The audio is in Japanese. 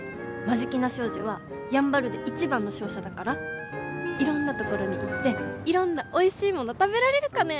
眞境名商事はやんばるで一番の商社だからいろんなところに行っていろんなおいしいもの食べられるかね。